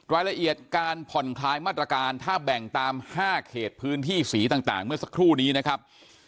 รายละเอียดการผ่อนคลายมาตรการถ้าแบ่งตาม๕เขตพื้นที่สีต่างเมื่อสักครู่นี้นะครับ